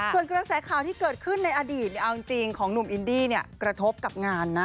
ส่วนกระแสข่าวที่เกิดขึ้นในอดีตเอาจริงของหนุ่มอินดี้เนี่ยกระทบกับงานนะ